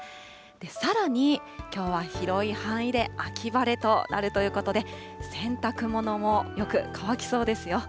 さらにきょうは広い範囲で秋晴れとなるということで、洗濯物もよく乾きそうですよ。